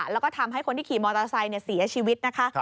แล้วก็ทำให้คนที่ขี่มอเตอร์ไซค์เสียชีวิตนะคะ